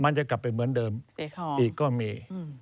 มันจะกลับไปเหมือนเดิมอีกก็มี